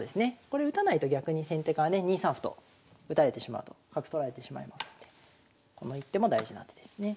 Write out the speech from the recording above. これ打たないと逆に先手側ね２三歩と打たれてしまうと角取られてしまいますんでこの一手も大事な手ですね。